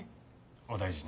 お大事に。